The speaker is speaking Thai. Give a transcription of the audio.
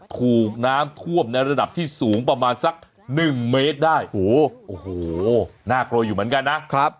ถูกน้ำท่วมในระดับที่สูงประมาณสักหนึ่งเมตรได้โอ้โหน่ากลัวอยู่เหมือนกันนะครับ